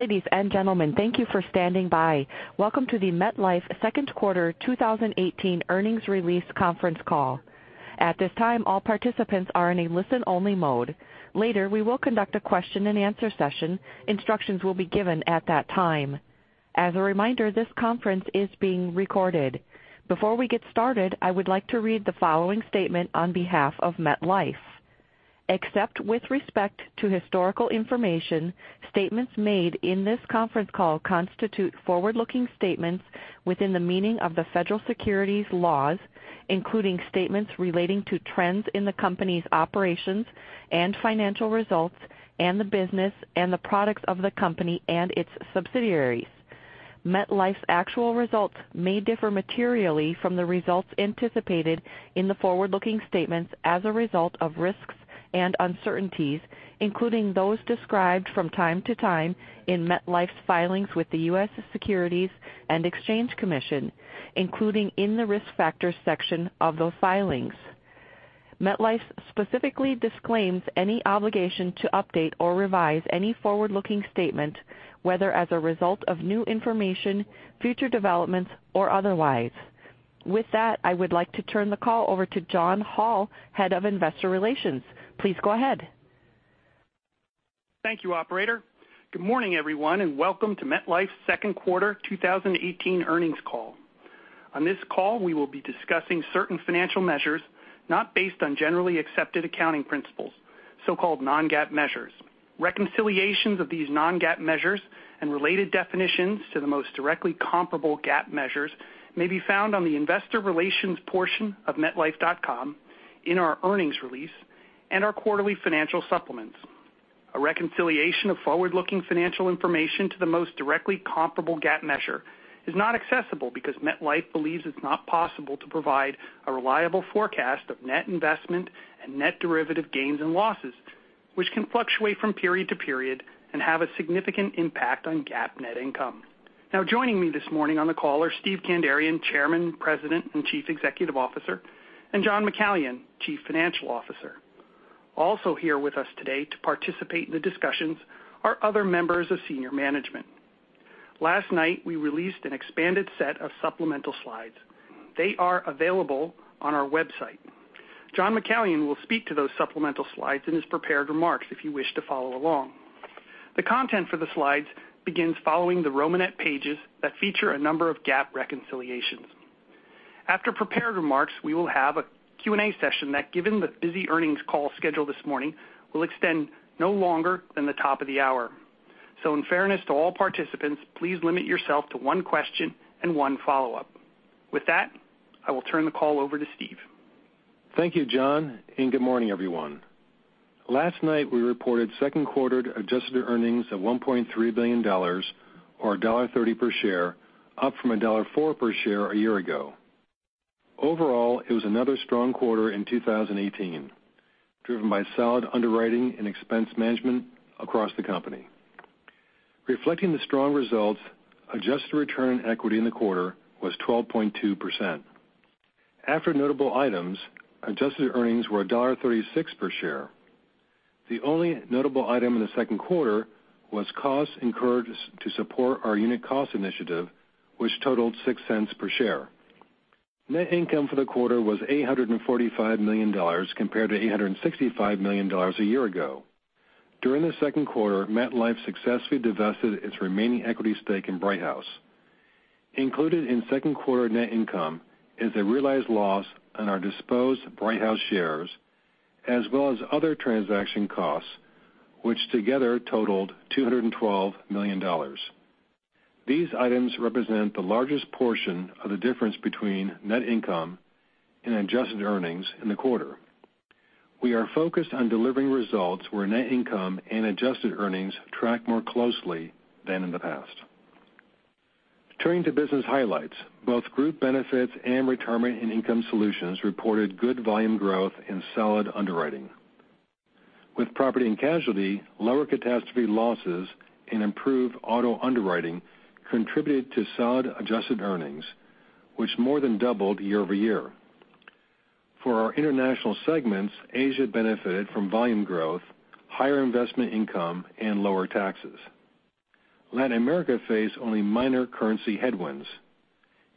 Ladies and gentlemen, thank you for standing by. Welcome to the MetLife second quarter 2018 earnings release conference call. At this time, all participants are in a listen-only mode. Later, we will conduct a question-and-answer session. Instructions will be given at that time. As a reminder, this conference is being recorded. Before we get started, I would like to read the following statement on behalf of MetLife. Except with respect to historical information, statements made in this conference call constitute forward-looking statements within the meaning of the Federal securities laws, including statements relating to trends in the company's operations and financial results, and the business and the products of the company and its subsidiaries. MetLife's actual results may differ materially from the results anticipated in the forward-looking statements as a result of risks and uncertainties, including those described from time to time in MetLife's filings with the U.S. Securities and Exchange Commission, including in the Risk Factors section of those filings. MetLife specifically disclaims any obligation to update or revise any forward-looking statement, whether as a result of new information, future developments, or otherwise. With that, I would like to turn the call over to John Hall, Head of Investor Relations. Please go ahead. Thank you, operator. Good morning, everyone, and welcome to MetLife's second quarter 2018 earnings call. On this call, we will be discussing certain financial measures not based on generally accepted accounting principles, so-called non-GAAP measures. Reconciliations of these non-GAAP measures and related definitions to the most directly comparable GAAP measures may be found on the investor relations portion of metlife.com in our earnings release and our quarterly financial supplements. A reconciliation of forward-looking financial information to the most directly comparable GAAP measure is not accessible because MetLife believes it's not possible to provide a reliable forecast of net investment and net derivative gains and losses, which can fluctuate from period to period and have a significant impact on GAAP net income. Now, joining me this morning on the call are Steve Kandarian, Chairman, President, and Chief Executive Officer, and John McCallion, Chief Financial Officer. Also here with us today to participate in the discussions are other members of senior management. Last night, we released an expanded set of supplemental slides. They are available on our website. John McCallion will speak to those supplemental slides in his prepared remarks if you wish to follow along. The content for the slides begins following the romanette pages that feature a number of GAAP reconciliations. After prepared remarks, we will have a Q&A session that, given the busy earnings call schedule this morning, will extend no longer than the top of the hour. So in fairness to all participants, please limit yourself to one question and one follow-up. With that, I will turn the call over to Steve. Thank you, John, and good morning, everyone. Last night, we reported second quarter adjusted earnings of $1.3 billion, or $1.30 per share, up from $1.04 per share a year ago. Overall, it was another strong quarter in 2018, driven by solid underwriting and expense management across the company. Reflecting the strong results, adjusted return on equity in the quarter was 12.2%. After notable items, adjusted earnings were $1.36 per share. The only notable item in the second quarter was costs incurred to support our unit cost initiative, which totaled $0.06 per share. Net income for the quarter was $845 million compared to $865 million a year ago. During the second quarter, MetLife successfully divested its remaining equity stake in Brighthouse. Included in second quarter net income is a realized loss on our disposed Brighthouse shares, as well as other transaction costs, which together totaled $212 million. These items represent the largest portion of the difference between net income and adjusted earnings in the quarter. We are focused on delivering results where net income and adjusted earnings track more closely than in the past. Turning to business highlights, both Group Benefits and Retirement and Income Solutions reported good volume growth and solid underwriting. With Property and Casualty, lower catastrophe losses and improved auto underwriting contributed to solid adjusted earnings, which more than doubled year-over-year. For our international segments, Asia benefited from volume growth, higher investment income, and lower taxes. Latin America faced only minor currency headwinds,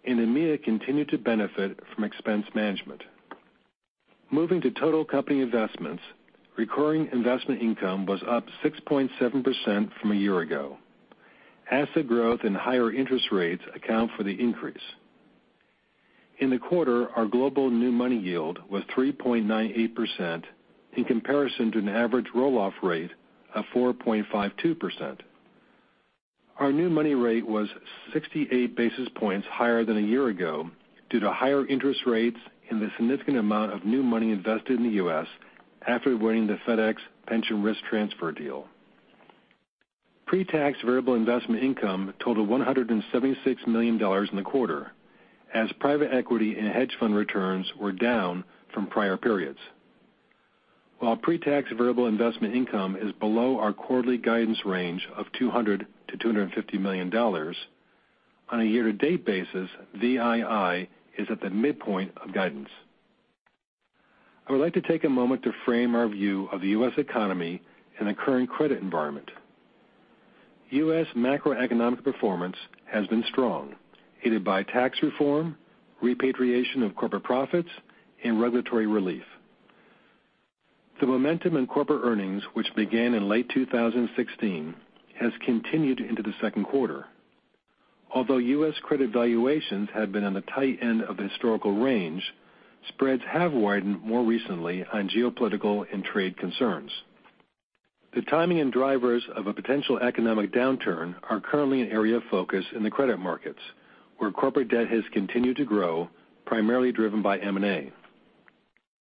EMEA continued to benefit from expense management. Moving to total company investments, recurring investment income was up 6.7% from a year ago. Asset growth and higher interest rates account for the increase. In the quarter, our global new money yield was 3.98% in comparison to an average roll-off rate of 4.52%. Our new money rate was 68 basis points higher than a year ago due to higher interest rates and the significant amount of new money invested in the U.S. after winning the FedEx pension risk transfer deal. Pre-tax variable investment income totaled $176 million in the quarter, as private equity and hedge fund returns were down from prior periods. While pre-tax variable investment income is below our quarterly guidance range of $200 million-$250 million, on a year-to-date basis, VII is at the midpoint of guidance. I would like to take a moment to frame our view of the U.S. economy in the current credit environment. U.S. macroeconomic performance has been strong, aided by tax reform, repatriation of corporate profits, and regulatory relief. The momentum in corporate earnings, which began in late 2016, has continued into the second quarter. Although U.S. credit valuations have been on the tight end of the historical range, spreads have widened more recently on geopolitical and trade concerns. The timing and drivers of a potential economic downturn are currently an area of focus in the credit markets, where corporate debt has continued to grow, primarily driven by M&A.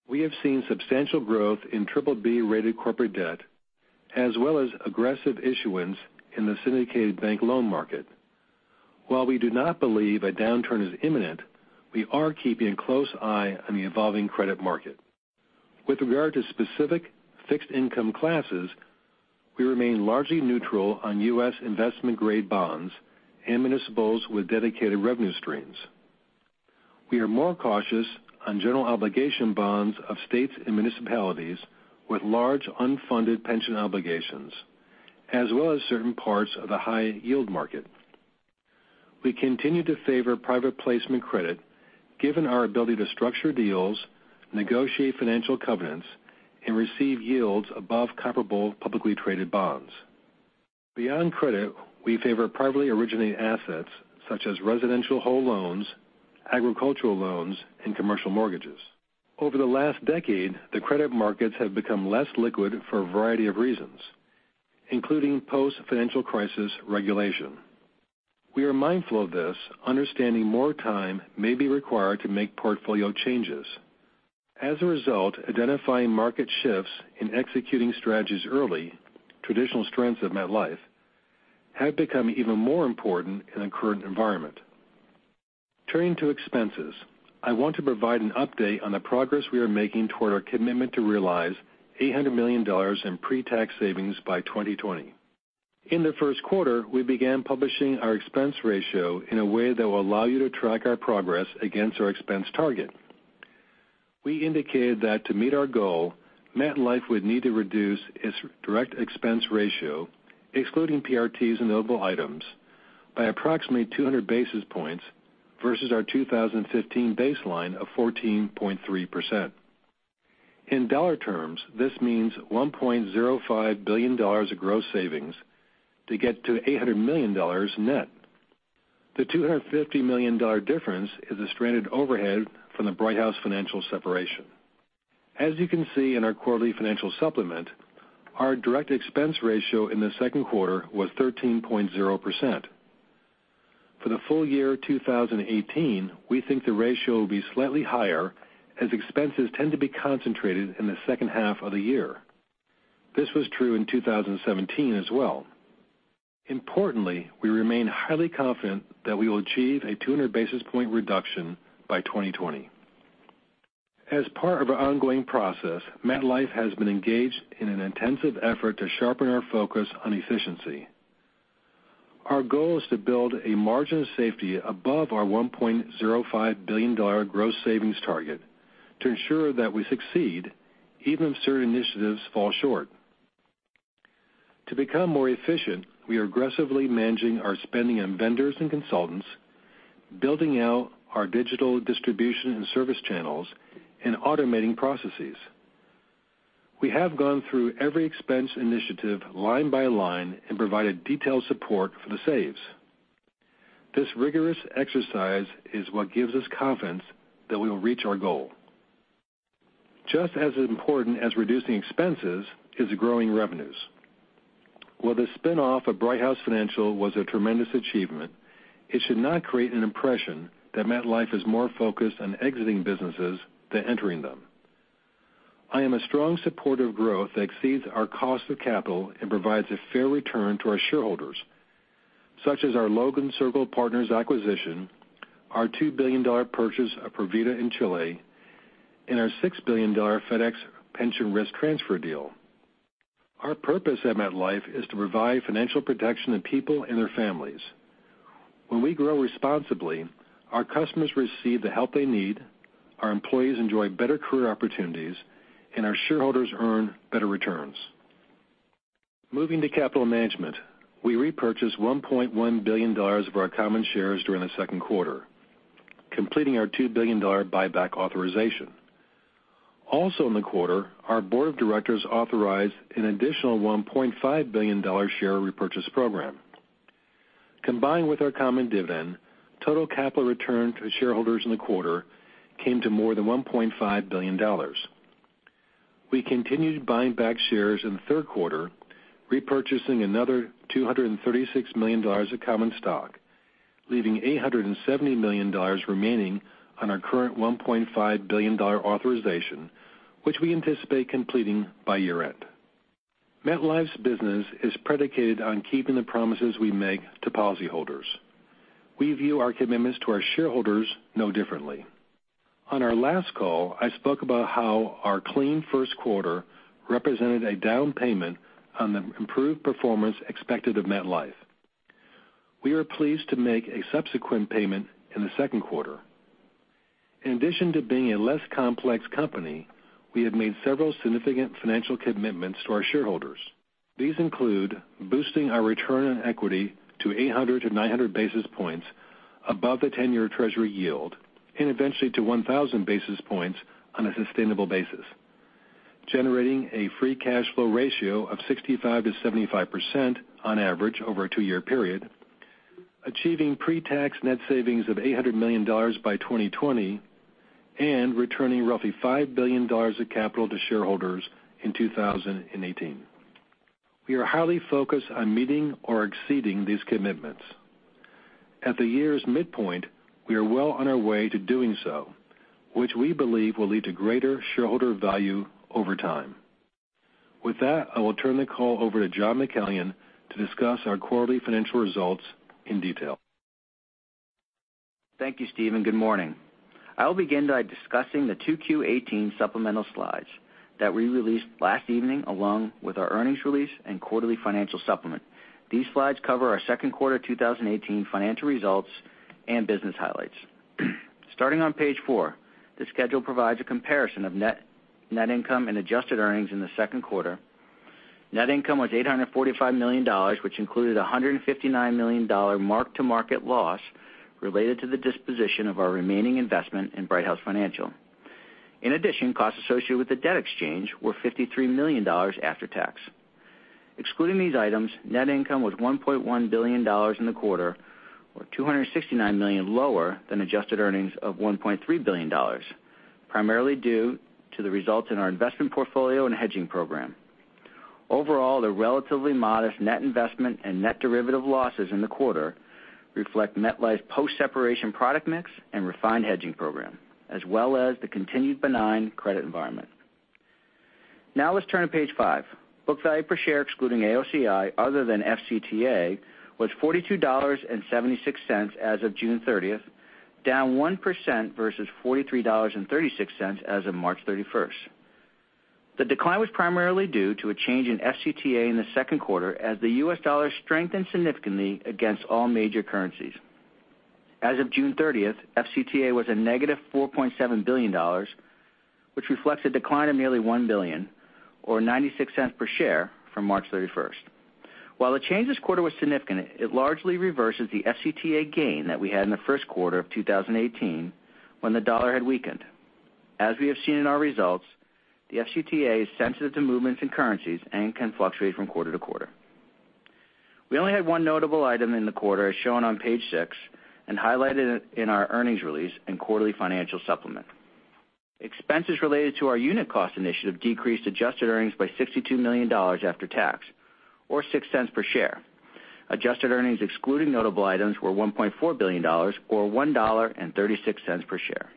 We have seen substantial growth in BBB-rated corporate debt, as well as aggressive issuance in the syndicated bank loan market. While we do not believe a downturn is imminent, we are keeping a close eye on the evolving credit market. With regard to specific fixed income classes, we remain largely neutral on U.S. investment-grade bonds and municipals with dedicated revenue streams. We are more cautious on general obligation bonds of states and municipalities with large unfunded pension obligations, as well as certain parts of the high-yield market. We continue to favor private placement credit, given our ability to structure deals, negotiate financial covenants, and receive yields above comparable publicly traded bonds. Beyond credit, we favor privately originated assets such as residential whole loans, agricultural loans, and commercial mortgages. Over the last decade, the credit markets have become less liquid for a variety of reasons, including post-financial crisis regulation. We are mindful of this, understanding more time may be required to make portfolio changes. As a result, identifying market shifts and executing strategies early, traditional strengths of MetLife, have become even more important in the current environment. Turning to expenses, I want to provide an update on the progress we are making toward our commitment to realize $800 million in pre-tax savings by 2020. In the first quarter, we began publishing our expense ratio in a way that will allow you to track our progress against our expense target. We indicated that to meet our goal, MetLife would need to reduce its direct expense ratio, excluding PRTs and notable items, by approximately 200 basis points versus our 2015 baseline of 14.3%. In dollar terms, this means $1.05 billion of gross savings to get to $800 million net. The $250 million difference is a stranded overhead from the Brighthouse Financial separation. As you can see in our quarterly financial supplement, our direct expense ratio in the second quarter was 13.0%. For the full year 2018, we think the ratio will be slightly higher, as expenses tend to be concentrated in the second half of the year. This was true in 2017 as well. Importantly, we remain highly confident that we will achieve a 200 basis point reduction by 2020. As part of our ongoing process, MetLife has been engaged in an intensive effort to sharpen our focus on efficiency. Our goal is to build a margin of safety above our $1.05 billion gross savings target to ensure that we succeed even if certain initiatives fall short. To become more efficient, we are aggressively managing our spending on vendors and consultants, building out our digital distribution and service channels, and automating processes. We have gone through every expense initiative line by line and provided detailed support for the saves. This rigorous exercise is what gives us confidence that we will reach our goal. Just as important as reducing expenses is growing revenues. While the spin-off of Brighthouse Financial was a tremendous achievement, it should not create an impression that MetLife is more focused on exiting businesses than entering them. I am a strong supporter of growth that exceeds our cost of capital and provides a fair return to our shareholders, such as our Logan Circle Partners acquisition, our $2 billion purchase of Provida in Chile, and our $6 billion FedEx pension risk transfer deal. Our purpose at MetLife is to provide financial protection to people and their families. When we grow responsibly, our customers receive the help they need, our employees enjoy better career opportunities, and our shareholders earn better returns. Moving to capital management, we repurchased $1.1 billion of our common shares during the second quarter, completing our $2 billion buyback authorization. Also in the quarter, our board of directors authorized an additional $1.5 billion share repurchase program. Combined with our common dividend, total capital return to shareholders in the quarter came to more than $1.5 billion. We continued buying back shares in the third quarter, repurchasing another $236 million of common stock, leaving $870 million remaining on our current $1.5 billion authorization, which we anticipate completing by year-end. MetLife's business is predicated on keeping the promises we make to policyholders. We view our commitments to our shareholders no differently. On our last call, I spoke about how our clean first quarter represented a down payment on the improved performance expected of MetLife. We are pleased to make a subsequent payment in the second quarter. In addition to being a less complex company, we have made several significant financial commitments to our shareholders. These include boosting our return on equity to 800 to 900 basis points above the 10-year Treasury yield, and eventually to 1,000 basis points on a sustainable basis, generating a free cash flow ratio of 65%-75% on average over a two-year period, achieving pre-tax net savings of $800 million by 2020, and returning roughly $5 billion of capital to shareholders in 2018. We are highly focused on meeting or exceeding these commitments. At the year's midpoint, we are well on our way to doing so, which we believe will lead to greater shareholder value over time. With that, I will turn the call over to John McCallion to discuss our quarterly financial results in detail. Thank you, Steve, and good morning. I will begin by discussing the 2Q18 supplemental slides that we released last evening, along with our earnings release and quarterly financial supplement. These slides cover our second quarter 2018 financial results and business highlights. Starting on page four, the schedule provides a comparison of net income and adjusted earnings in the second quarter. Net income was $845 million, which included $159 million mark-to-market loss related to the disposition of our remaining investment in Brighthouse Financial. In addition, costs associated with the debt exchange were $53 million after tax. Excluding these items, net income was $1.1 billion in the quarter, or $269 million lower than adjusted earnings of $1.3 billion, primarily due to the results in our investment portfolio and hedging program. Overall, the relatively modest net investment and net derivative losses in the quarter reflect MetLife's post-separation product mix and refined hedging program, as well as the continued benign credit environment. Let's turn to page five. Book value per share excluding AOCI, other than FCTA, was $42.76 as of June 30th, down 1% versus $43.36 as of March 31st. The decline was primarily due to a change in FCTA in the second quarter as the U.S. dollar strengthened significantly against all major currencies. As of June 30th, FCTA was a negative $4.7 billion, which reflects a decline of nearly $1 billion or $0.96 per share from March 31st. While the change this quarter was significant, it largely reverses the FCTA gain that we had in the first quarter of 2018 when the dollar had weakened. As we have seen in our results, the FCTA is sensitive to movements in currencies and can fluctuate from quarter to quarter. We only had one notable item in the quarter, as shown on page six and highlighted in our earnings release and quarterly financial supplement. Expenses related to our unit cost initiative decreased adjusted earnings by $62 million after tax, or $0.06 per share. Adjusted earnings excluding notable items were $1.4 billion or $1.36 per share.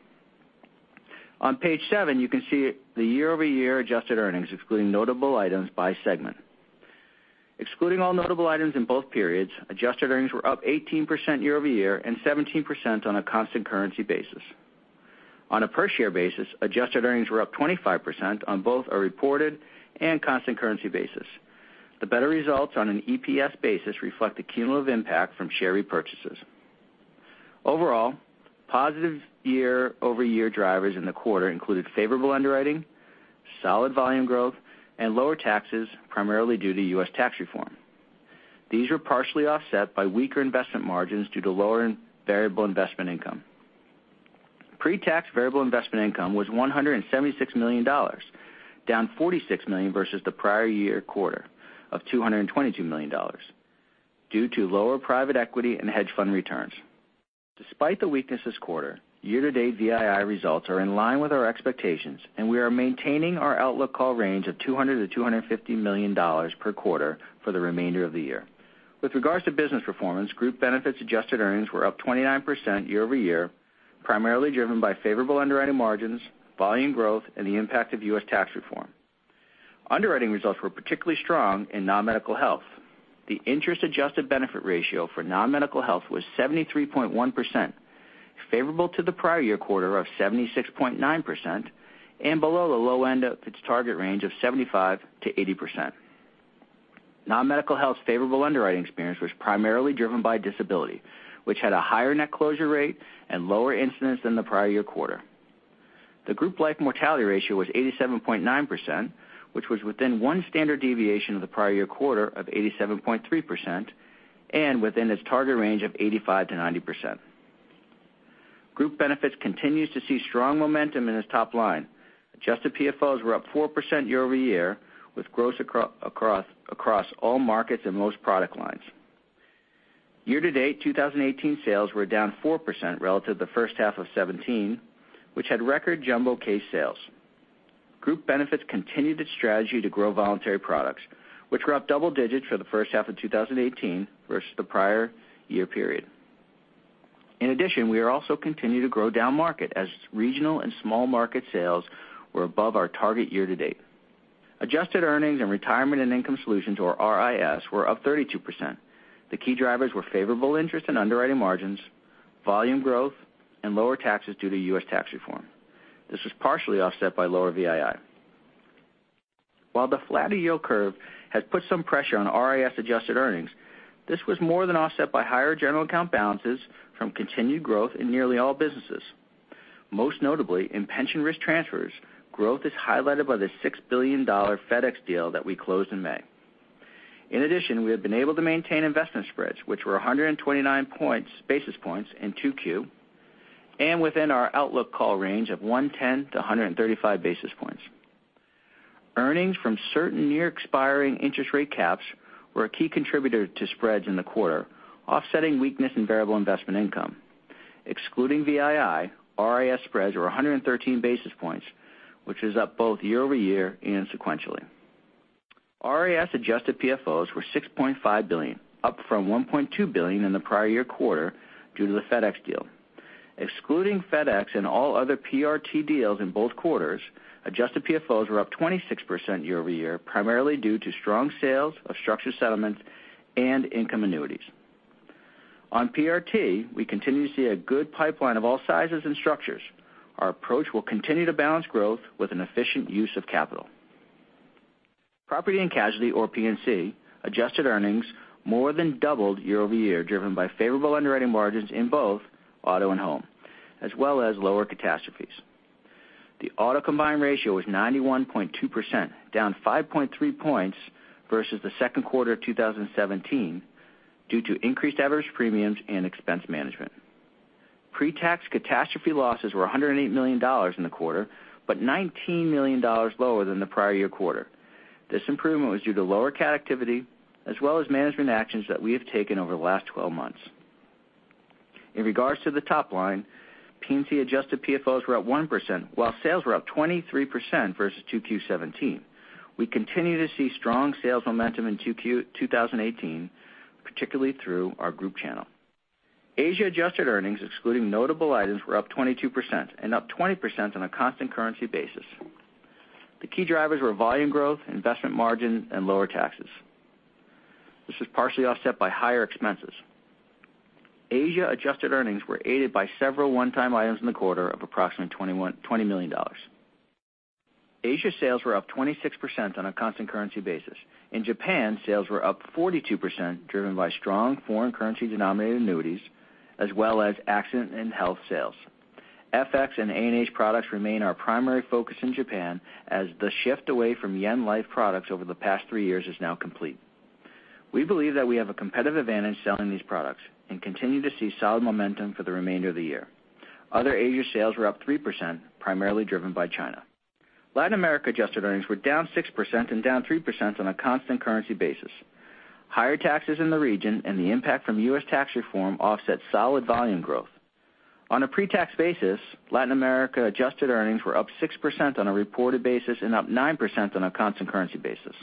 On page seven, you can see the year-over-year adjusted earnings, excluding notable items by segment. Excluding all notable items in both periods, adjusted earnings were up 18% year-over-year and 17% on a constant currency basis. On a per share basis, adjusted earnings were up 25% on both a reported and constant currency basis. The better results on an EPS basis reflect the cumulative impact from share repurchases. Overall, positive year-over-year drivers in the quarter included favorable underwriting, solid volume growth, and lower taxes, primarily due to U.S. tax reform. These were partially offset by weaker investment margins due to lower variable investment income. Pre-tax variable investment income was $176 million, down $46 million versus the prior year quarter of $222 million due to lower private equity and hedge fund returns. Despite the weakness this quarter, year-to-date VII results are in line with our expectations, and we are maintaining our outlook call range of $200 million-$250 million per quarter for the remainder of the year. With regards to business performance, Group Benefits adjusted earnings were up 29% year-over-year, primarily driven by favorable underwriting margins, volume growth, and the impact of U.S. tax reform. Underwriting results were particularly strong in non-medical health. The interest-adjusted benefit ratio for non-medical health was 73.1%, favorable to the prior year quarter of 76.9% and below the low end of its target range of 75%-80%. Non-medical health's favorable underwriting experience was primarily driven by disability, which had a higher net closure rate and lower incidence than the prior year quarter. The group life mortality ratio was 87.9%, which was within one standard deviation of the prior year quarter of 87.3% and within its target range of 85%-90%. Group Benefits continues to see strong momentum in its top line. Adjusted PFOs were up 4% year-over-year, with growth across all markets and most product lines. Year-to-date 2018 sales were down 4% relative to the first half of 2017, which had record jumbo case sales. Group Benefits continued its strategy to grow voluntary products, which were up double digits for the first half of 2018 versus the prior year period. In addition, we are also continuing to grow down-market, as regional and small market sales were above our target year-to-date. Adjusted earnings and Retirement and Income Solutions, or RIS, were up 32%. The key drivers were favorable interest and underwriting margins, volume growth, and lower taxes due to U.S. tax reform. This was partially offset by lower VII. While the flatter yield curve has put some pressure on RIS adjusted earnings, this was more than offset by higher general account balances from continued growth in nearly all businesses. Most notably in pension risk transfers, growth is highlighted by the $6 billion FedEx deal that we closed in May. In addition, we have been able to maintain investment spreads, which were 129 basis points in 2Q, and within our outlook call range of 110-135 basis points. Earnings from certain near-expiring interest rate caps were a key contributor to spreads in the quarter, offsetting weakness in variable investment income. Excluding VII, RIS spreads were 113 basis points, which is up both year-over-year and sequentially. RIS adjusted PFOs were $6.5 billion, up from $1.2 billion in the prior year quarter due to the FedEx deal. Excluding FedEx and all other PRT deals in both quarters, adjusted PFOs were up 26% year-over-year, primarily due to strong sales of structured settlements and income annuities. On PRT, we continue to see a good pipeline of all sizes and structures. Our approach will continue to balance growth with an efficient use of capital. Property and Casualty, or P&C, adjusted earnings more than doubled year-over-year, driven by favorable underwriting margins in both auto and home, as well as lower catastrophes. The auto combined ratio was 91.2%, down 5.3 points versus the second quarter of 2017 due to increased average premiums and expense management. Pre-tax catastrophe losses were $108 million in the quarter, but $19 million lower than the prior year quarter. This improvement was due to lower cat activity, as well as management actions that we have taken over the last 12 months. In regards to the top line, P&C adjusted PFOs were up 1%, while sales were up 23% versus 2Q 2017. We continue to see strong sales momentum in 2Q 2018, particularly through our group channel. Asia adjusted earnings, excluding notable items, were up 22% and up 20% on a constant currency basis. The key drivers were volume growth, investment margin, and lower taxes. This was partially offset by higher expenses. Asia adjusted earnings were aided by several one-time items in the quarter of approximately $20 million. Asia sales were up 26% on a constant currency basis. In Japan, sales were up 42%, driven by strong foreign currency denominated annuities, as well as Accident & Health sales. FX and A&H products remain our primary focus in Japan, as the shift away from yen life products over the past three years is now complete. We believe that we have a competitive advantage selling these products and continue to see solid momentum for the remainder of the year. Other Asia sales were up 3%, primarily driven by China. Latin America adjusted earnings were down 6% and down 3% on a constant currency basis. Higher taxes in the region and the impact from U.S. tax reform offset solid volume growth. On a pre-tax basis, Latin America adjusted earnings were up 6% on a reported basis and up 9% on a constant currency basis.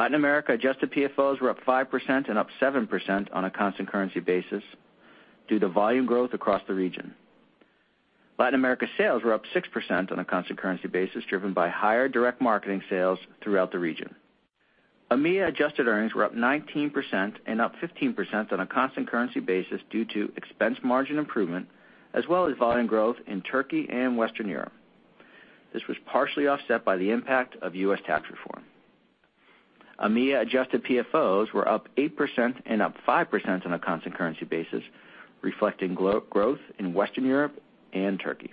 Latin America adjusted PFOs were up 5% and up 7% on a constant currency basis due to volume growth across the region. Latin America sales were up 6% on a constant currency basis, driven by higher direct marketing sales throughout the region. EMEA adjusted earnings were up 19% and up 15% on a constant currency basis due to expense margin improvement, as well as volume growth in Turkey and Western Europe. This was partially offset by the impact of U.S. tax reform. EMEA adjusted PFOs were up 8% and up 5% on a constant currency basis, reflecting growth in Western Europe and Turkey.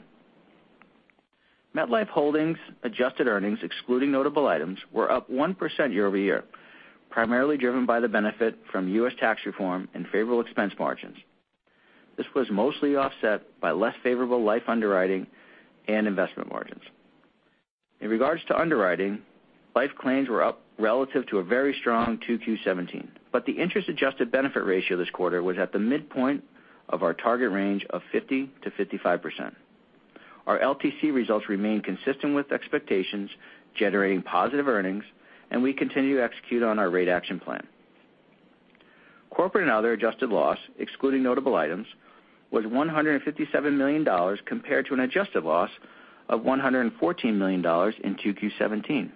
MetLife Holdings adjusted earnings, excluding notable items, were up 1% year-over-year, primarily driven by the benefit from U.S. tax reform and favorable expense margins. This was mostly offset by less favorable life underwriting and investment margins. In regards to underwriting, life claims were up relative to a very strong 2Q17, but the interest-adjusted benefit ratio this quarter was at the midpoint of our target range of 50%-55%. Our LTC results remain consistent with expectations, generating positive earnings, and we continue to execute on our rate action plan. Corporate and other adjusted loss, excluding notable items, was $157 million compared to an adjusted loss of $114 million in 2Q17.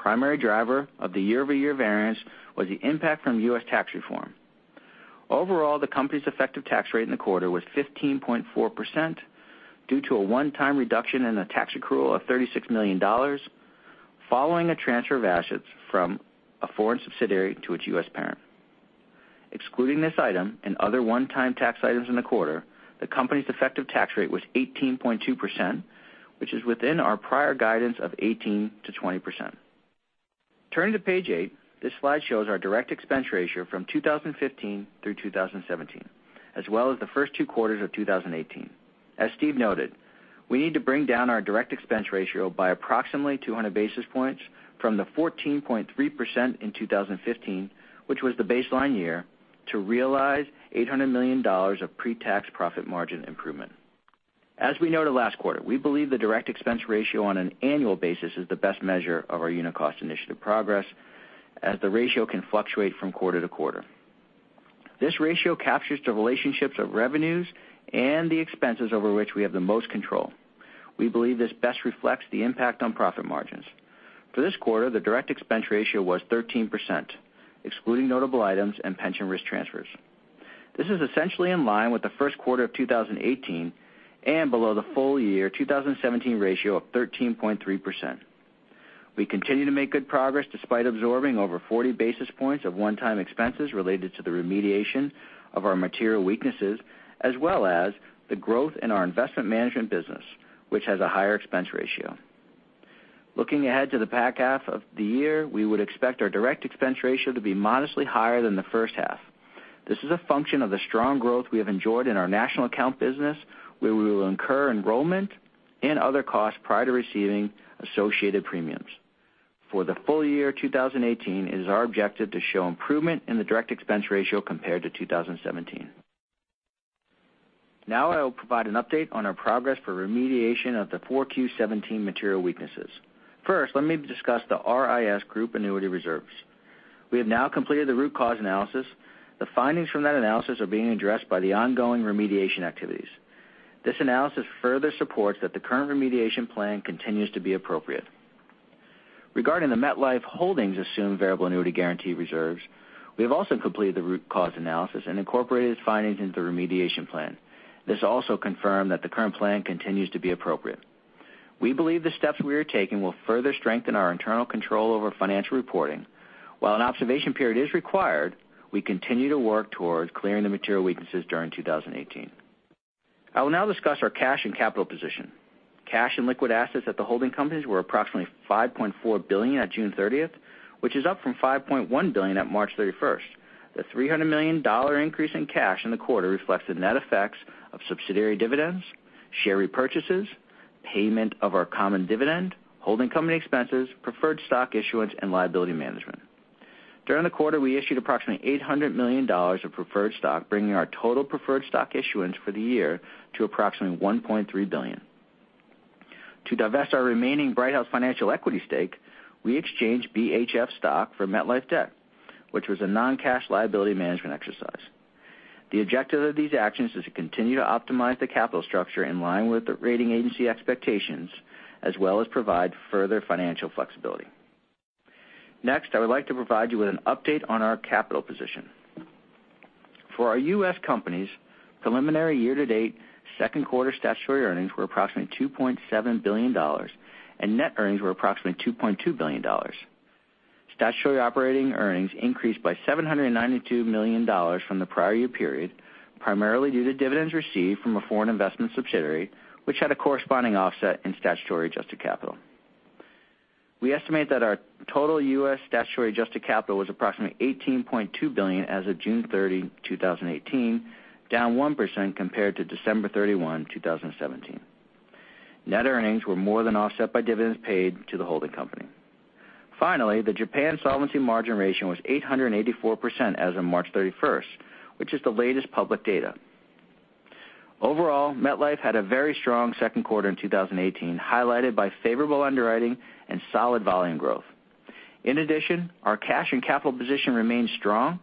Primary driver of the year-over-year variance was the impact from U.S. tax reform. Overall, the company's effective tax rate in the quarter was 15.4% due to a one-time reduction in the tax accrual of $36 million following a transfer of assets from a foreign subsidiary to its U.S. parent. Excluding this item and other one-time tax items in the quarter, the company's effective tax rate was 18.2%, which is within our prior guidance of 18%-20%. Turning to page eight, this slide shows our direct expense ratio from 2015 through 2017, as well as the first two quarters of 2018. As Steve noted, we need to bring down our direct expense ratio by approximately 200 basis points from the 14.3% in 2015, which was the baseline year, to realize $800 million of pre-tax profit margin improvement. As we noted last quarter, we believe the direct expense ratio on an annual basis is the best measure of our Unit Cost Initiative progress, as the ratio can fluctuate from quarter to quarter. This ratio captures the relationships of revenues and the expenses over which we have the most control. We believe this best reflects the impact on profit margins. For this quarter, the direct expense ratio was 13%, excluding notable items and pension risk transfers. This is essentially in line with the first quarter of 2018 and below the full year 2017 ratio of 13.3%. We continue to make good progress despite absorbing over 40 basis points of one-time expenses related to the remediation of our material weaknesses, as well as the growth in our investment management business, which has a higher expense ratio. Looking ahead to the back half of the year, we would expect our direct expense ratio to be modestly higher than the first half. This is a function of the strong growth we have enjoyed in our national account business, where we will incur enrollment and other costs prior to receiving associated premiums. For the full year 2018, it is our objective to show improvement in the direct expense ratio compared to 2017. Now I will provide an update on our progress for remediation of the 4Q '17 material weaknesses. First, let me discuss the RIS group annuity reserves. We have now completed the root cause analysis. The findings from that analysis are being addressed by the ongoing remediation activities. This analysis further supports that the current remediation plan continues to be appropriate. Regarding the MetLife Holdings assumed variable annuity guarantee reserves, we have also completed the root cause analysis and incorporated its findings into the remediation plan. This also confirmed that the current plan continues to be appropriate. We believe the steps we are taking will further strengthen our internal control over financial reporting. While an observation period is required, we continue to work towards clearing the material weaknesses during 2018. I will now discuss our cash and capital position. Cash and liquid assets at the holding companies were approximately $5.4 billion at June 30th, which is up from $5.1 billion at March 31st. The $300 million increase in cash in the quarter reflects the net effects of subsidiary dividends, share repurchases, payment of our common dividend, holding company expenses, preferred stock issuance, and liability management. During the quarter, we issued approximately $800 million of preferred stock, bringing our total preferred stock issuance for the year to approximately $1.3 billion. To divest our remaining Brighthouse Financial equity stake, we exchanged BHF stock for MetLife debt, which was a non-cash liability management exercise. The objective of these actions is to continue to optimize the capital structure in line with the rating agency expectations, as well as provide further financial flexibility. Next, I would like to provide you with an update on our capital position. For our U.S. companies, preliminary year-to-date second quarter statutory earnings were approximately $2.7 billion, and net earnings were approximately $2.2 billion. Statutory operating earnings increased by $792 million from the prior year period, primarily due to dividends received from a foreign investment subsidiary, which had a corresponding offset in statutory adjusted capital. We estimate that our total U.S. statutory adjusted capital was approximately $18.2 billion as of June 30, 2018, down 1% compared to December 31, 2017. Net earnings were more than offset by dividends paid to the holding company. Finally, the Japan solvency margin ratio was 884% as of March 31st, which is the latest public data. Overall, MetLife had a very strong second quarter in 2018, highlighted by favorable underwriting and solid volume growth. In addition, our cash and capital position remains strong,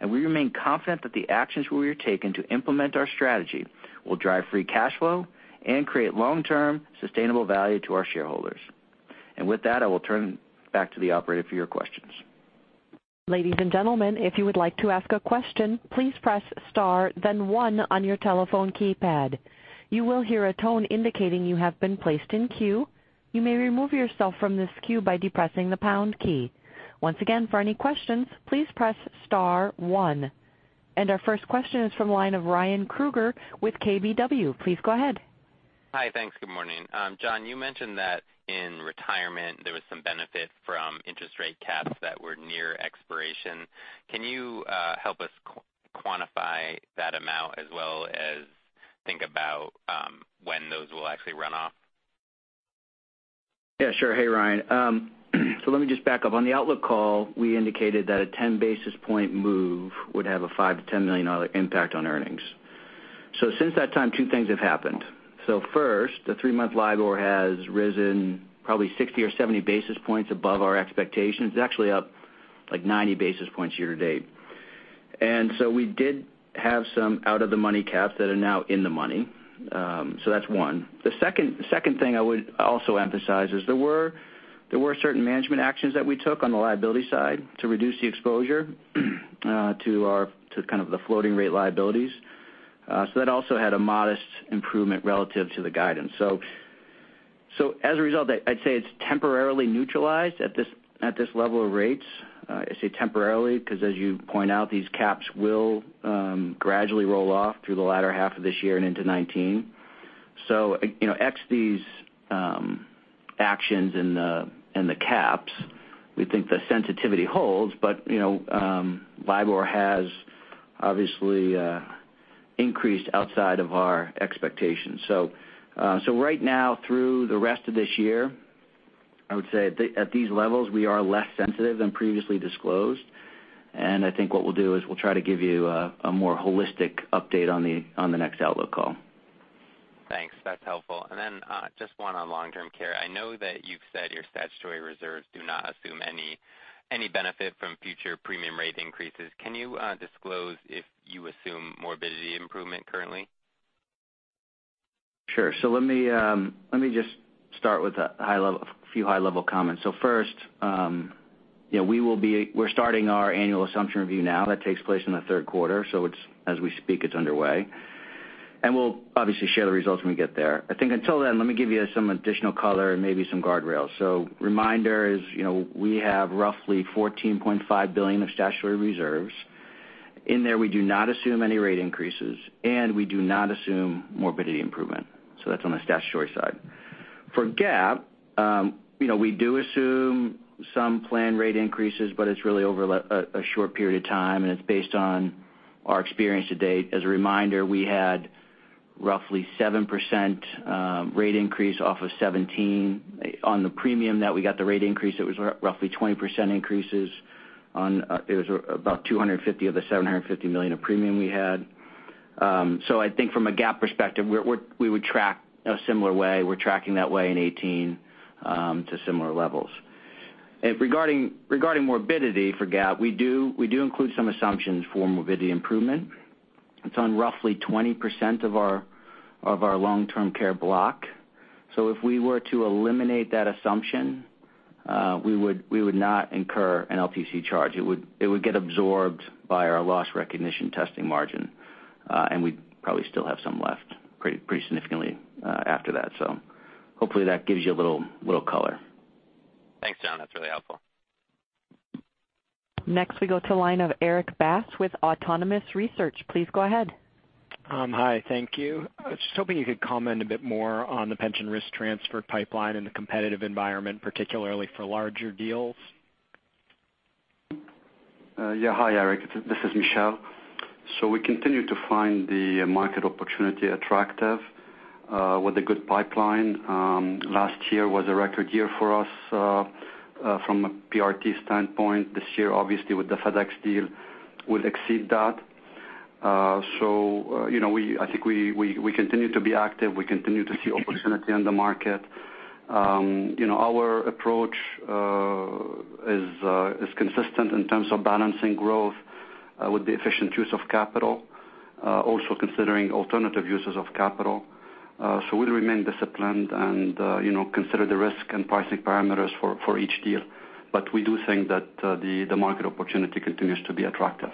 and we remain confident that the actions we are taking to implement our strategy will drive free cash flow and create long-term sustainable value to our shareholders. With that, I will turn back to the operator for your questions. Ladies and gentlemen, if you would like to ask a question, please press star then one on your telephone keypad. You will hear a tone indicating you have been placed in queue. You may remove yourself from this queue by depressing the pound key. Once again, for any questions, please press star one. Our first question is from the line of Ryan Krueger with KBW. Please go ahead. Hi. Thanks. Good morning. John, you mentioned that in Retirement, there was some benefit from interest rate caps that were near expiration. Can you help us quantify that amount as well as think about when those will actually run off? Yeah, sure. Hey, Ryan. Let me just back up. On the outlook call, we indicated that a 10 basis point move would have a $5 million-$10 million impact on earnings. Since that time, two things have happened. First, the three-month LIBOR has risen probably 60 or 70 basis points above our expectations. It's actually up like 90 basis points year to date. We did have some out-of-the-money caps that are now in the money. That's one. The second thing I would also emphasize is there were certain management actions that we took on the liability side to reduce the exposure to kind of the floating rate liabilities. That also had a modest improvement relative to the guidance. As a result, I'd say it's temporarily neutralized at this level of rates. I say temporarily because as you point out, these caps will gradually roll off through the latter half of this year and into 2019. Ex these actions and the caps, we think the sensitivity holds, LIBOR has obviously increased outside of our expectations. Right now through the rest of this year, I would say at these levels, we are less sensitive than previously disclosed, I think what we'll do is we'll try to give you a more holistic update on the next outlook call. Thanks. That's helpful. Just one on long-term care. I know that you've said your statutory reserves do not assume any benefit from future premium rate increases. Can you disclose if you assume morbidity improvement currently? Let me just start with a few high-level comments. First, we're starting our annual assumption review now. That takes place in the third quarter, as we speak, it's underway. We'll obviously share the results when we get there. I think until then, let me give you some additional color and maybe some guardrails. Reminder is, we have roughly $14.5 billion of statutory reserves. In there, we do not assume any rate increases, and we do not assume morbidity improvement. That's on the statutory side. For GAAP, we do assume some plan rate increases, but it's really over a short period of time, and it's based on our experience to date. As a reminder, we had roughly 7% rate increase off of 2017. On the premium that we got the rate increase, it was roughly 20% increases. It was about $250 million of the $750 million of premium we had. I think from a GAAP perspective, we would track a similar way. We're tracking that way in 2018 to similar levels. Regarding morbidity for GAAP, we do include some assumptions for morbidity improvement. It's on roughly 20% of our long-term care block. If we were to eliminate that assumption, we would not incur an LTC charge. It would get absorbed by our loss recognition testing margin, and we'd probably still have some left, pretty significantly after that. Hopefully that gives you a little color. Thanks, John. That's really helpful. Next, we go to the line of Erik Bass with Autonomous Research. Please go ahead. Hi, thank you. I was just hoping you could comment a bit more on the pension risk transfer pipeline in the competitive environment, particularly for larger deals. Yeah. Hi, Erik. This is Michel. We continue to find the market opportunity attractive, with a good pipeline. Last year was a record year for us from a PRT standpoint. This year, obviously, with the FedEx deal, we'll exceed that. I think we continue to be active. We continue to see opportunity in the market. Our approach is consistent in terms of balancing growth with the efficient use of capital, also considering alternative uses of capital. We remain disciplined and consider the risk and pricing parameters for each deal. We do think that the market opportunity continues to be attractive.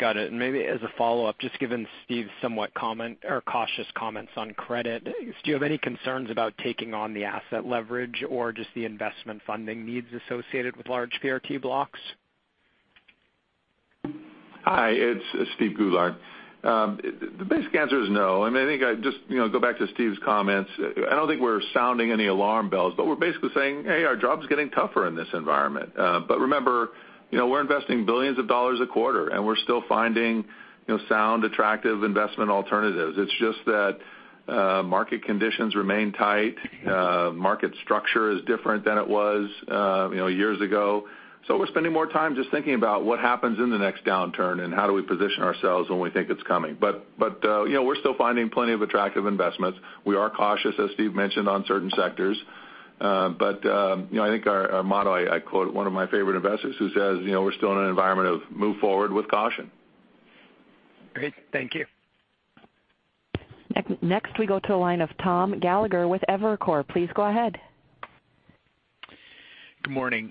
Got it. Maybe as a follow-up, just given Steve's somewhat cautious comments on credit, do you have any concerns about taking on the asset leverage or just the investment funding needs associated with large PRT blocks? Hi, it's Steven Goulart. The basic answer is no. I think I'd just go back to Steve's comments. I don't think we're sounding any alarm bells, we're basically saying, hey, our job's getting tougher in this environment. Remember, we're investing billions of dollars a quarter, and we're still finding sound, attractive investment alternatives. It's just that market conditions remain tight. Market structure is different than it was years ago. We're spending more time just thinking about what happens in the next downturn and how do we position ourselves when we think it's coming. We're still finding plenty of attractive investments. We are cautious, as Steve mentioned, on certain sectors. I think our motto, I quote one of my favorite investors who says, we're still in an environment of move forward with caution. Great. Thank you. Next, we go to the line of Thomas Gallagher with Evercore. Please go ahead. Good morning.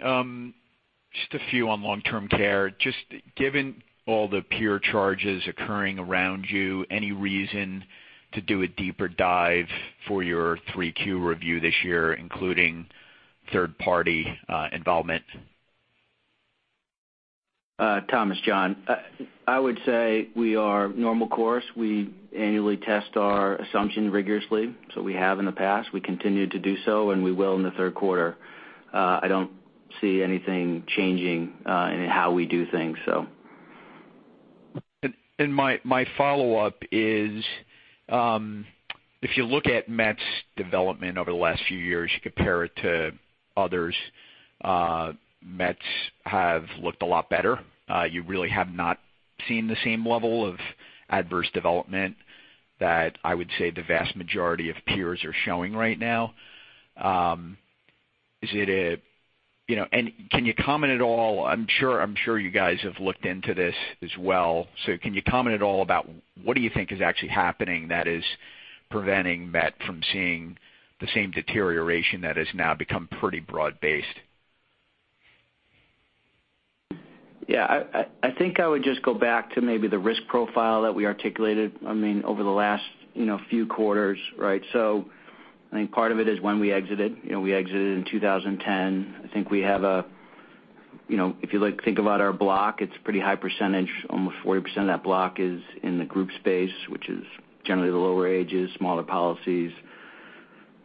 Just a few on long-term care. Just given all the peer charges occurring around you, any reason to do a deeper dive for your 3Q review this year, including third-party involvement? Tom, it's John. I would say we are normal course. We annually test our assumption rigorously, so we have in the past. We continue to do so, and we will in the third quarter. I don't see anything changing in how we do things. My follow-up is, if you look at Met's development over the last few years, you compare it to others, Met have looked a lot better. You really have not seen the same level of adverse development that I would say the vast majority of peers are showing right now. Can you comment at all, I'm sure you guys have looked into this as well, can you comment at all about what do you think is actually happening that is preventing Met from seeing the same deterioration that has now become pretty broad-based? Yeah. I think I would just go back to maybe the risk profile that we articulated over the last few quarters, right? I think part of it is when we exited. We exited in 2010. I think if you think about our block, it's pretty high percentage. Almost 40% of that block is in the group space, which is generally the lower ages, smaller policies,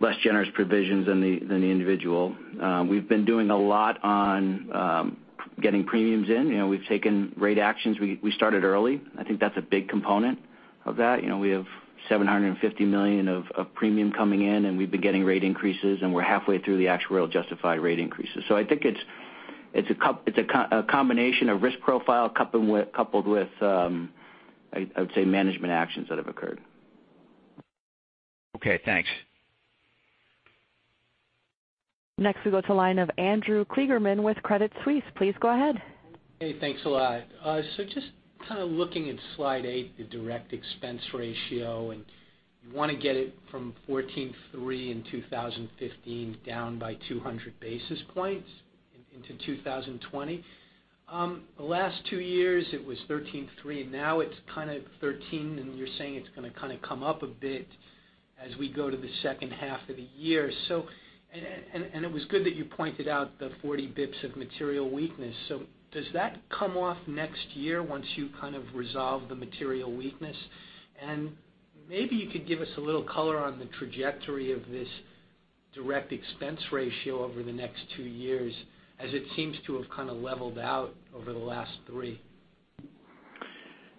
less generous provisions than the individual. We've been doing a lot on getting premiums in. We've taken rate actions. We started early. I think that's a big component of that. We have $750 million of premium coming in, and we've been getting rate increases, and we're halfway through the actuarial justified rate increases. I think it's a combination of risk profile coupled with, I would say, management actions that have occurred. Okay, thanks. Next we go to the line of Andrew Kligerman with Credit Suisse. Please go ahead. Hey, thanks a lot. Just kind of looking at slide eight, the direct expense ratio. You want to get it from 14.3 in 2015 down by 200 basis points into 2020. The last two years it was 13.3. Now it's 13. You're saying it's going to kind of come up a bit as we go to the second half of the year. It was good that you pointed out the 40 basis points of material weakness. Does that come off next year once you kind of resolve the material weakness? Maybe you could give us a little color on the trajectory of this direct expense ratio over the next two years, as it seems to have kind of leveled out over the last three.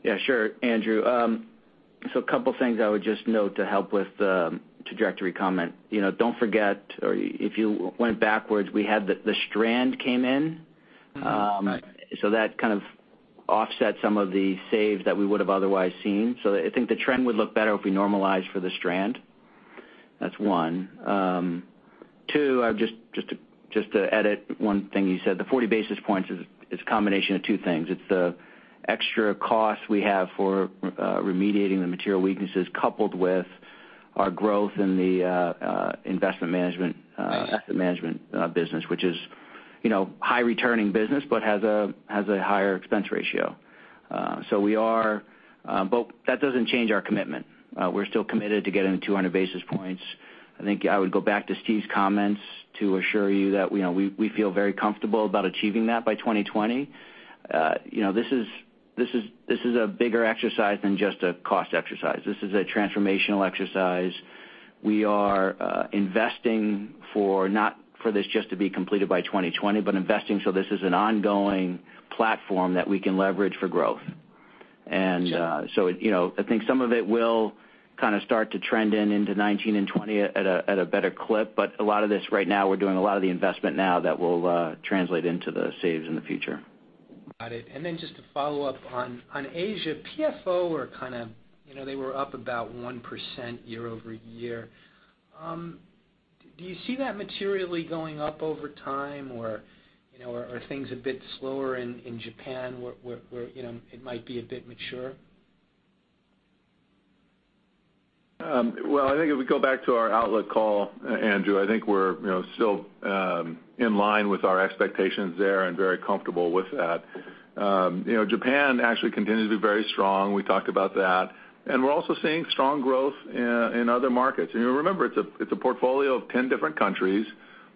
Yeah, sure, Andrew. A couple of things I would just note to help with the trajectory comment. Don't forget, or if you went backwards, we had the Brighthouse came in. Mm-hmm. Right. That kind of offset some of the saves that we would have otherwise seen. I think the trend would look better if we normalize for the Brighthouse. That's one. Two, just to edit one thing you said, the 40 basis points is a combination of two things. It's the extra cost we have for remediating the material weaknesses, coupled with our growth in the investment management- Right asset management business, which is high returning business, but has a higher expense ratio. That doesn't change our commitment. We're still committed to getting the 200 basis points. I think I would go back to Steve's comments to assure you that we feel very comfortable about achieving that by 2020. This is a bigger exercise than just a cost exercise. This is a transformational exercise. We are investing for not for this just to be completed by 2020, but investing so this is an ongoing platform that we can leverage for growth. Sure. I think some of it will kind of start to trend in into 2019 and 2020 at a better clip. A lot of this right now, we're doing a lot of the investment now that will translate into the saves in the future. Got it. Just to follow up on Asia, PFO, they were up about 1% year-over-year. Do you see that materially going up over time, or are things a bit slower in Japan where it might be a bit mature? Well, I think if we go back to our outlook call, Andrew, I think we're still in line with our expectations there and very comfortable with that. Japan actually continued to do very strong. We talked about that. We're also seeing strong growth in other markets. Remember, it's a portfolio of 10 different countries.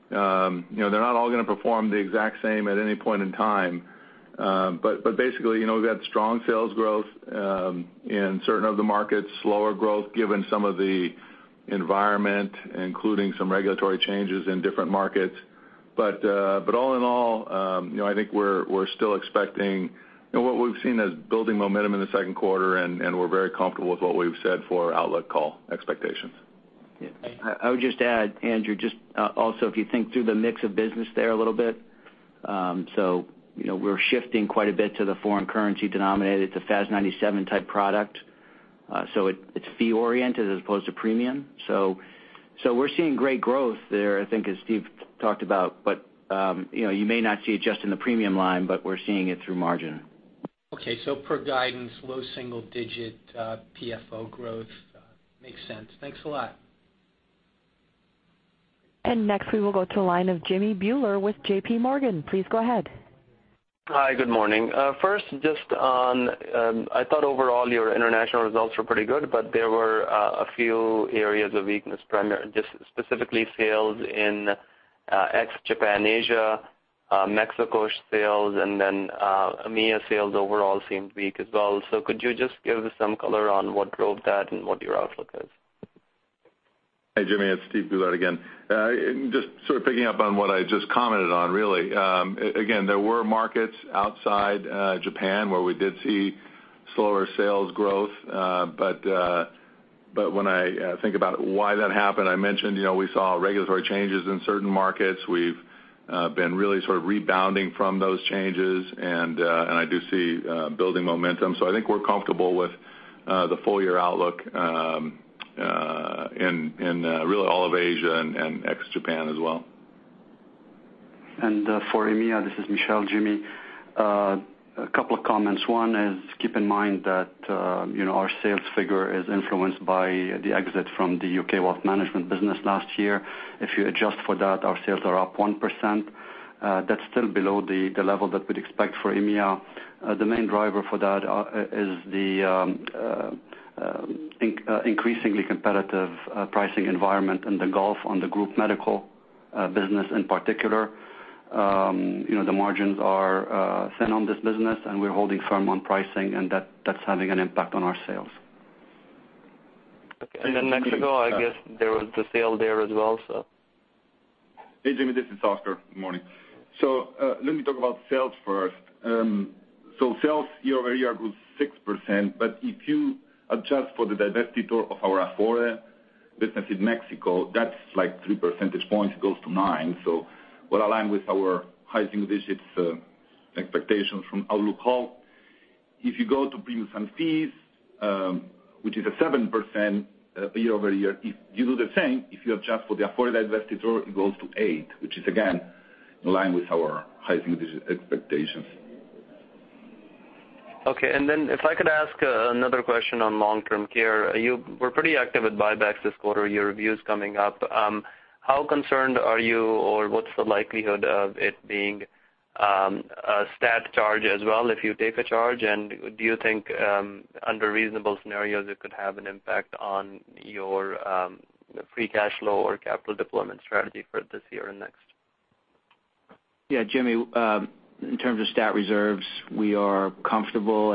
They're not all going to perform the exact same at any point in time. Basically, we've got strong sales growth in certain of the markets, slower growth, given some of the environment, including some regulatory changes in different markets. All in all, I think we're still expecting what we've seen as building momentum in the second quarter, and we're very comfortable with what we've said for our outlook call expectations. I would just add, Andrew, just also, if you think through the mix of business there a little bit. We're shifting quite a bit to the foreign currency denominated. It's a FAS 97 type product. It's fee oriented as opposed to premium. We're seeing great growth there, I think, as Steve talked about, but you may not see it just in the premium line, but we're seeing it through margin. Okay. Per guidance, low single digit PFO growth. Makes sense. Thanks a lot. Next we will go to the line of Jimmy Bhullar with J.P. Morgan. Please go ahead. Hi. Good morning. First, I thought overall your international results were pretty good, there were a few areas of weakness, specifically sales in ex Japan, Asia, Mexico sales, EMEA sales overall seemed weak as well. Could you just give us some color on what drove that and what your outlook is? Hey, Jimmy, it is Steven Goulart again. Just sort of picking up on what I just commented on, really. There were markets outside Japan where we did see slower sales growth. When I think about why that happened, I mentioned we saw regulatory changes in certain markets. We have been really sort of rebounding from those changes, and I do see building momentum. I think we are comfortable with the full-year outlook in really all of Asia and ex-Japan as well. For EMEA, this is Michel, Jimmy. A couple of comments. One is keep in mind that our sales figure is influenced by the exit from the U.K. wealth management business last year. If you adjust for that, our sales are up 1%. That is still below the level that we would expect for EMEA. The main driver for that is the increasingly competitive pricing environment in the Gulf on the group medical business in particular. The margins are thin on this business, and we are holding firm on pricing, and that is having an impact on our sales. Okay. Mexico, I guess there was the sale there as well. Hey, Jimmy, this is Oscar. Good morning. Let me talk about sales first. Sales year-over-year grew 6%, but if you adjust for the divestiture of our Afore business in Mexico, that is like three percentage points. It goes to nine. We are aligned with our high single digits expectations from outlook call. If you go to Premiums and Fees, which is a 7% year-over-year, if you do the same, if you adjust for the Afore divested return, it goes to 8%, which is again, in line with our high single-digit expectations. Okay. If I could ask another question on Long-Term Care. You were pretty active at buybacks this quarter. Your review's coming up. How concerned are you, or what's the likelihood of it being a stat charge as well if you take a charge? Do you think, under reasonable scenarios, it could have an impact on your free cash flow or capital deployment strategy for this year and next? Jimmy, in terms of stat reserves, we are comfortable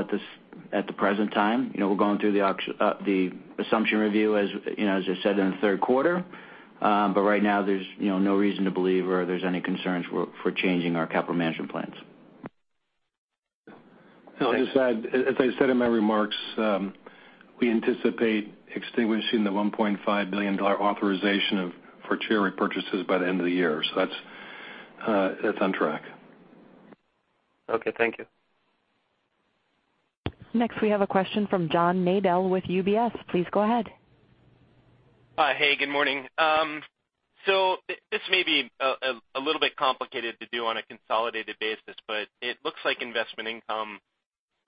at the present time. We're going through the assumption review, as I said, in the third quarter. Right now, there's no reason to believe or there's any concerns for changing our capital management plans. I'll just add, as I said in my remarks, we anticipate extinguishing the $1.5 billion authorization for share repurchases by the end of the year. That's on track. Okay, thank you. Next, we have a question from John Nadel with UBS. Please go ahead. Hi. Hey, good morning. This may be a little bit complicated to do on a consolidated basis, but it looks like investment income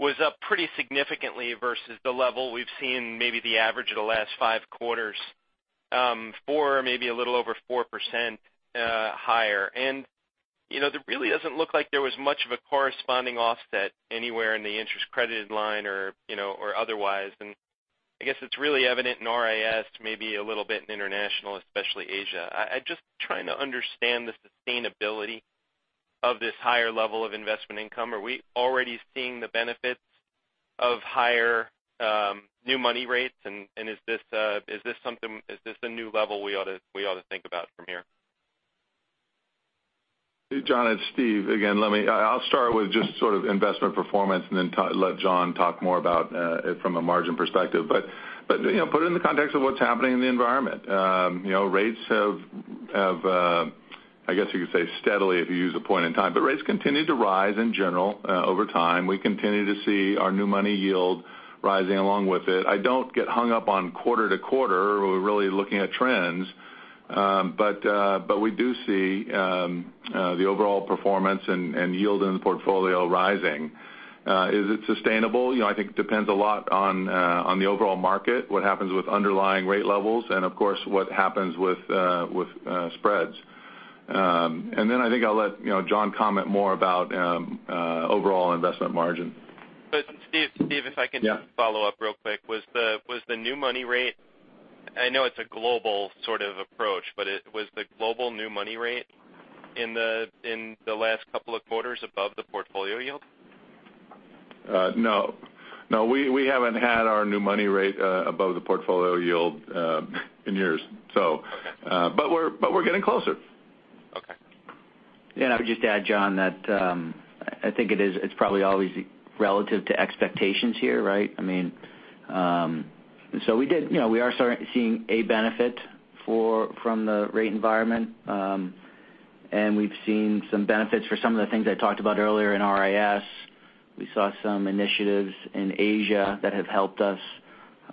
was up pretty significantly versus the level we've seen, maybe the average of the last five quarters, four, maybe a little over 4% higher. It really doesn't look like there was much of a corresponding offset anywhere in the interest credited line or otherwise. I guess it's really evident in RIS, maybe a little bit in international, especially Asia. I'm just trying to understand the sustainability of this higher level of investment income. Are we already seeing the benefits of higher new money rates? Is this a new level we ought to think about from here? John, it's Steve again. I'll start with just sort of investment performance, then let John talk more about it from a margin perspective. Put it in the context of what's happening in the environment. Rates have, I guess you could say steadily if you use a point in time, but rates continued to rise in general over time. We continue to see our new money yield rising along with it. I don't get hung up on quarter to quarter. We're really looking at trends. We do see the overall performance and yield in the portfolio rising. Is it sustainable? I think it depends a lot on the overall market, what happens with underlying rate levels, and of course, what happens with spreads. Then I think I'll let John comment more about overall investment margin. Steve. Yeah. Just follow up real quick. Was the new money rate, I know it's a global sort of approach, but was the global new money rate in the last couple of quarters above the portfolio yield? No. We haven't had our new money rate above the portfolio yield in years. Okay. We're getting closer. Okay. Yeah, I would just add, John, that I think it's probably always relative to expectations here, right? We are seeing a benefit from the rate environment, we've seen some benefits for some of the things I talked about earlier in RIS. We saw some initiatives in Asia that have helped us.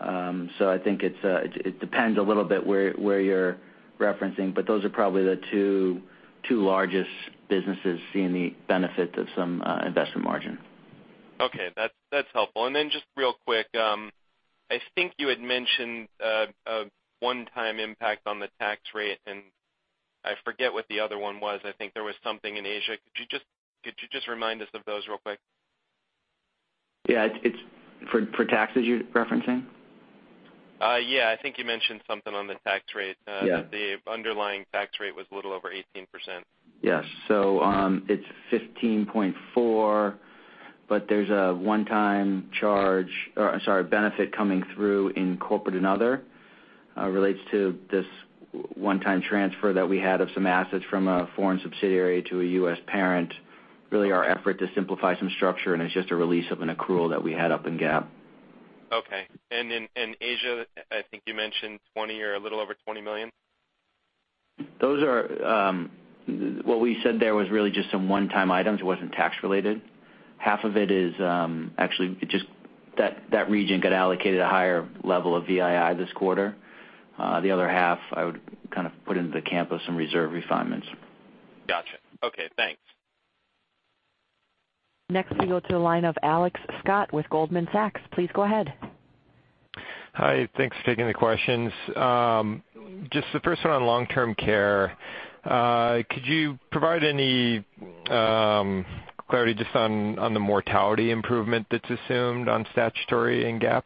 I think it depends a little bit where you're referencing, but those are probably the two largest businesses seeing the benefit of some investment margin. Okay. That's helpful. Then just real quick, I think you had mentioned a one-time impact on the tax rate, I forget what the other one was. I think there was something in Asia. Could you just remind us of those real quick? Yeah. For taxes, you're referencing? Yeah. I think you mentioned something on the tax rate. Yeah. That the underlying tax rate was a little over 18%. Yes. It's 15.4%, but there's a one-time charge, or sorry, benefit coming through in corporate and other. Relates to this one-time transfer that we had of some assets from a foreign subsidiary to a U.S. parent. Really our effort to simplify some structure, and it's just a release of an accrual that we had up in GAAP. Okay. Asia, I think you mentioned $20 million or a little over $20 million? What we said there was really just some one-time items. It wasn't tax related. Half of it is actually just that region got allocated a higher level of VII this quarter. The other half I would kind of put into the camp of some reserve refinements. Got you. Okay, thanks. Next we go to the line of Alex Scott with Goldman Sachs. Please go ahead. Hi. Thanks for taking the questions. Just the first one on long-term care. Could you provide any clarity just on the mortality improvement that's assumed on statutory and GAAP?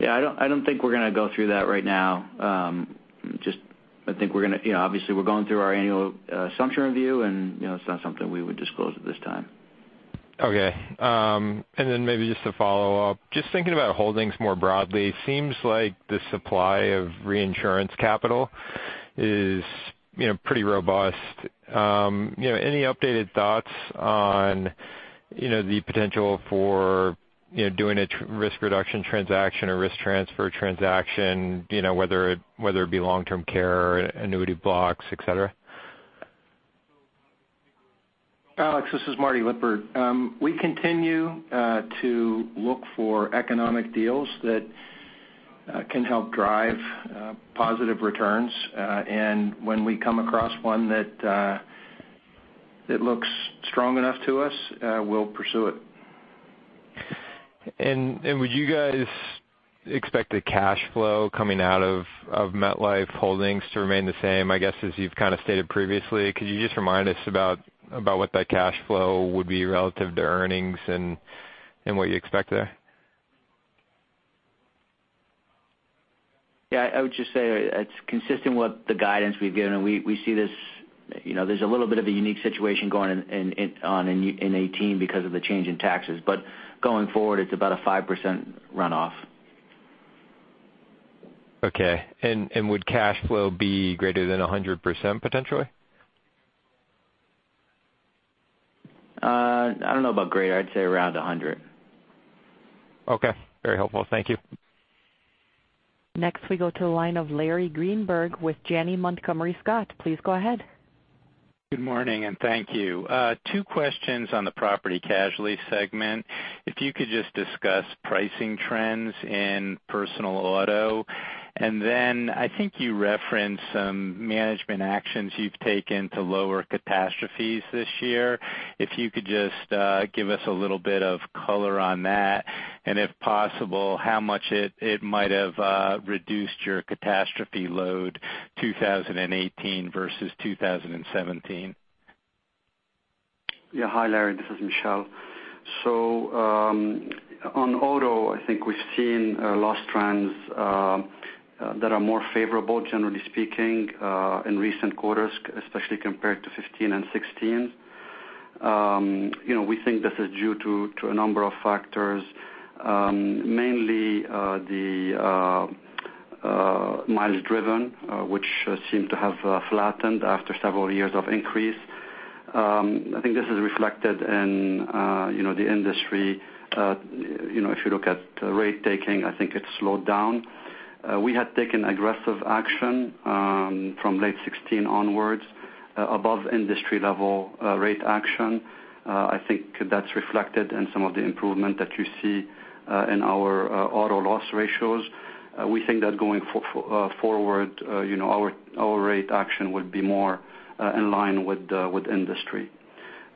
Yeah, I don't think we're going to go through that right now. Obviously we're going through our annual assumption review, and it's not something we would disclose at this time. Okay. Then maybe just to follow up, just thinking about holdings more broadly, seems like the supply of reinsurance capital is pretty robust. Any updated thoughts on the potential for doing a risk reduction transaction or risk transfer transaction, whether it be long-term care, annuity blocks, et cetera? Alex, this is Martin Lippert. We continue to look for economic deals that can help drive positive returns. When we come across one that looks strong enough to us, we'll pursue it. Would you guys expect the cash flow coming out of MetLife Holdings to remain the same, I guess, as you've kind of stated previously? Could you just remind us about what that cash flow would be relative to earnings and what you expect there? Yeah. I would just say it's consistent with the guidance we've given, there's a little bit of a unique situation going on in 2018 because of the change in taxes. Going forward, it's about a 5% runoff. Okay. Would cash flow be greater than 100%, potentially? I don't know about greater. I'd say around 100%. Okay. Very helpful. Thank you. Next we go to the line of Larry Greenberg with Janney Montgomery Scott. Please go ahead. Good morning, and thank you. Two questions on the property casualty segment. If you could just discuss pricing trends in personal auto. I think you referenced some management actions you've taken to lower catastrophes this year. If you could just give us a little bit of color on that. If possible, how much it might have reduced your catastrophe load 2018 versus 2017. Hi, Larry, this is Michel. On auto, I think we've seen loss trends that are more favorable, generally speaking, in recent quarters, especially compared to 2015 and 2016. We think this is due to a number of factors, mainly the miles driven which seem to have flattened after several years of increase. I think this is reflected in the industry. If you look at rate taking, I think it's slowed down. We had taken aggressive action from late 2016 onwards, above industry level rate action. I think that's reflected in some of the improvement that you see in our auto loss ratios. We think that going forward our rate action would be more in line with industry.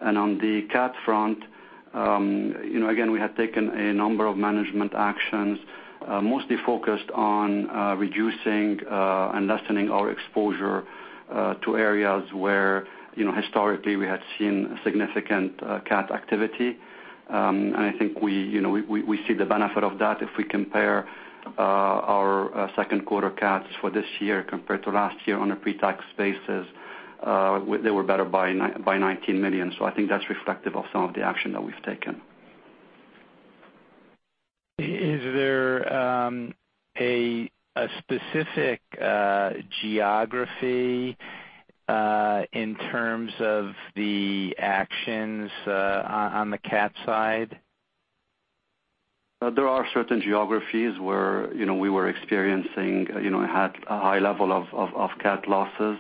On the cat front, again, we have taken a number of management actions, mostly focused on reducing and lessening our exposure to areas where historically we had seen significant cat activity. I think we see the benefit of that if we compare our second quarter cats for this year compared to last year on a pre-tax basis, they were better by $19 million. I think that's reflective of some of the action that we've taken. Is there a specific geography in terms of the actions on the cat side? There are certain geographies where we were experiencing a high level of cat losses.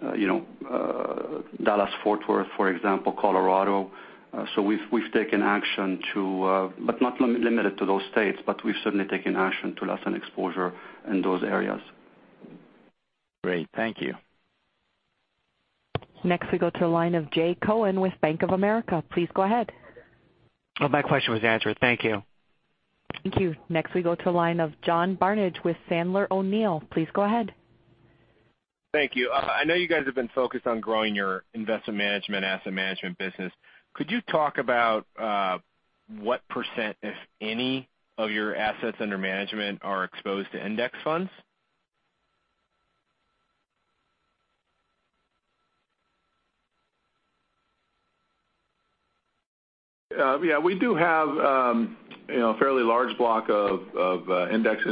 Dallas, Fort Worth, for example, Colorado. We've taken action but not limited to those states, but we've certainly taken action to lessen exposure in those areas. Great. Thank you. Next we go to the line of Jay Cohen with Bank of America. Please go ahead. Oh, my question was answered. Thank you. Thank you. Next we go to the line of John Barnidge with Sandler O'Neill. Please go ahead. Thank you. I know you guys have been focused on growing your investment management, asset management business. Could you talk about what %, if any, of your assets under management are exposed to index funds? Yeah. We do have a fairly large block of index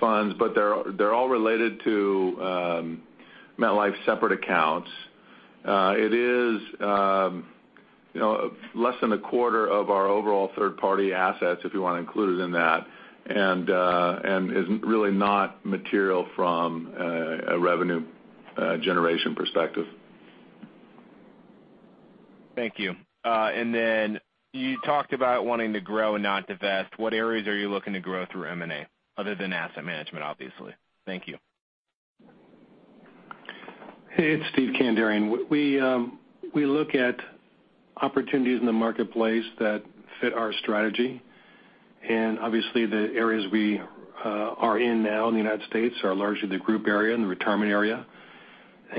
funds. They're all related to MetLife separate accounts. It is less than a quarter of our overall third-party assets, if you want to include it in that. Is really not material from a revenue generation perspective. Thank you. You talked about wanting to grow and not divest. What areas are you looking to grow through M&A, other than asset management, obviously? Thank you. Hey, it's Steven Kandarian. We look at opportunities in the marketplace that fit our strategy, and obviously the areas we are in now in the U.S. are largely the Group area and the Retirement area. As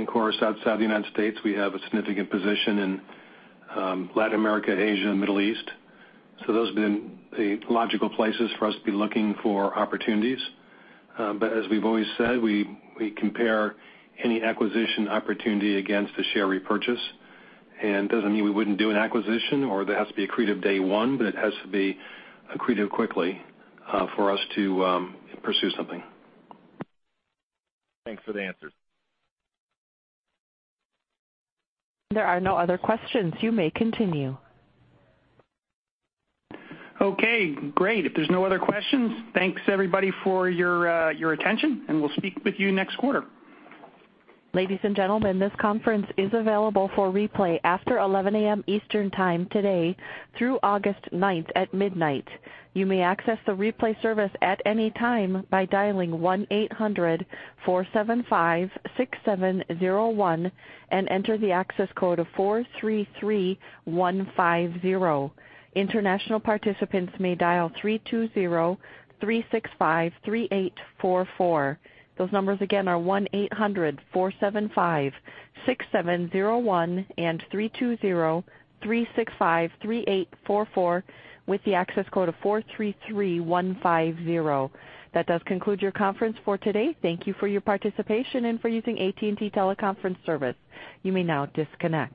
we've always said, we compare any acquisition opportunity against the share repurchase. And it doesn't mean we wouldn't do an acquisition or it has to be accretive day one, but it has to be accretive quickly for us to pursue something. Thanks for the answer. There are no other questions. You may continue. Okay, great. If there's no other questions, thanks everybody for your attention, and we'll speak with you next quarter. Ladies and gentlemen, this conference is available for replay after 11:00 A.M. Eastern Time today through August 9th at midnight. You may access the replay service at any time by dialing 1-800-475-6701 and enter the access code of 433150. International participants may dial 320-365-3844. Those numbers again are 1-800-475-6701 and 320-365-3844 with the access code of 433150. That does conclude your conference for today. Thank you for your participation and for using AT&T Teleconference service. You may now disconnect.